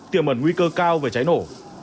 tiềm ẩn nguy cơ cao về cháy nổ